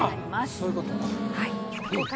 そういうことか。